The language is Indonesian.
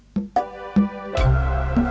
kok kamu panggil